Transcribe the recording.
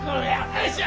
よいしょ。